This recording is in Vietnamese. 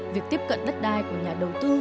việc tiếp cận đất đai của nhà đầu tư